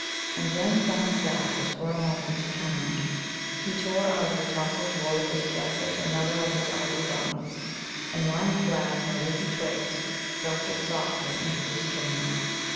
And when Thumb's back was for a moment turned, he tore out of the tousled wool of his jacket another of his ivory buttons, and, lying flat in the leafy twigs, dropped it softly into the stream.